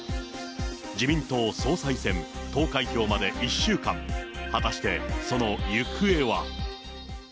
自民党総裁選、投開票まで１週間、果たして、その行方は。